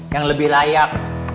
yang lebih layak